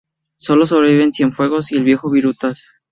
Solo sobreviven Cienfuegos y el viejo "Virutas".